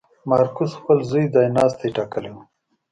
مارکوس خپل زوی ځایناستی ټاکلی و.